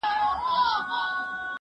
زه کولای سم ليکلي پاڼي ترتيب کړم!